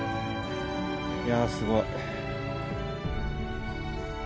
いやすごい。